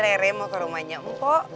lere mau ke rumahnya mpok